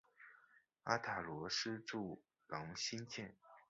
阿塔罗斯柱廊兴建。